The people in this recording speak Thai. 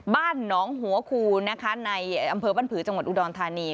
บ้านหนองหัวคูณนะคะในอำเภอบ้านผือจังหวัดอุดรธานี